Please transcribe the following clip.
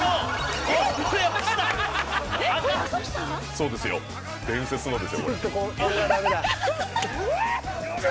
そうですよ伝説のですよ。